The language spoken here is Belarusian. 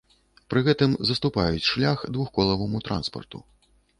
Пры гэтым заступаюць шлях двухколаваму транспарту.